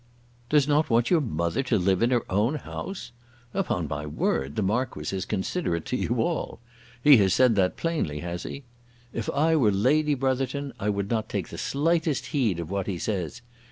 "Does not want your mother to live in her own house! Upon my word the Marquis is considerate to you all! He has said that plainly, has he? If I were Lady Brotherton I would not take the slightest heed of what he says.